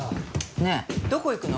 ねえどこ行くの？